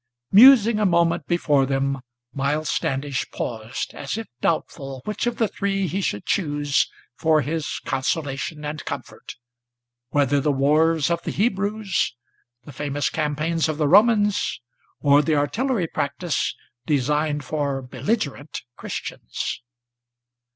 Musing a moment before them, Miles Standish paused, as if doubtful Which of the three he should choose for his consolation and comfort, Whether the wars of the Hebrews, the famous campaigns of the Romans, Or the Artillery practice, designed for belligerent Christians.